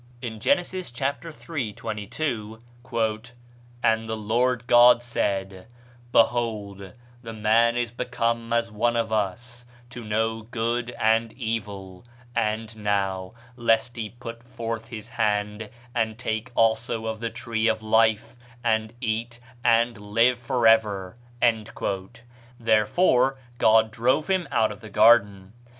In Genesis (chap. iii., 22), "And the Lord God said, Behold, the man is become as one of us, to know good and evil: and now, lest he put forth his hand, and take also of the tree of life, and eat, and live forever:" therefore God drove him out of the garden.